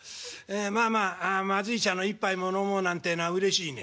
まあまあまずい茶の一杯も飲もうなんてえのはうれしいね。